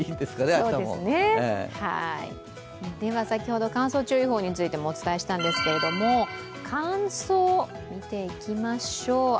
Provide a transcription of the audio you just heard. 先ほど乾燥注意報についてもお伝えしたんですけれども乾燥、見ていきましょう。